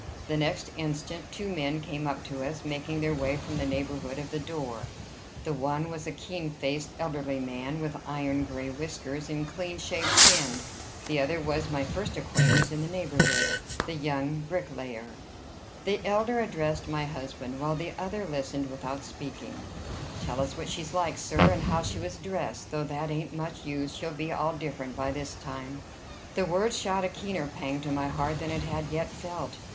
The next instant, two men came up to us, making their way from the neighborhood of the door. The one was a keen faced, elderly man, with iron gray whiskers and clean shaved chin; the other was my first acquaintance in the neighborhood, the young bricklayer. The elder addressed my husband, while the other listened without speaking. "Tell us what she's like, sir, and how she was dressed though that ain't much use. She'll be all different by this time." The words shot a keener pang to my heart than it had yet felt.